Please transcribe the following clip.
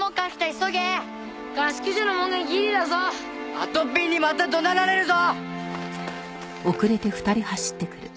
あとぴんにまた怒鳴られるぞ！